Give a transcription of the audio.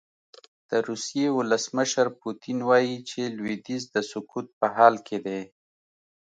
د روسیې ولسمشر پوتین وايي چې لویدیځ د سقوط په حال کې دی.